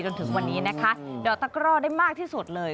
จนถึงวันนี้นะคะดอกตะกร่อได้มากที่สุดเลย